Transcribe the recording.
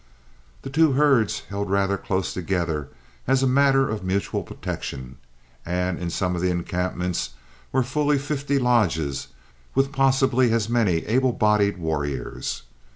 The two herds held rather close together as a matter of mutual protection, as in some of the encampments were fully fifty lodges with possibly as many able bodied warriors.